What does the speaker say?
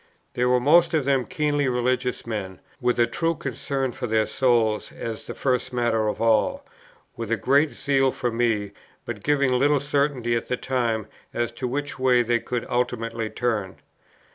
They were most of them keenly religious men, with a true concern for their souls as the first matter of all, with a great zeal for me, but giving little certainty at the time as to which way they would ultimately turn.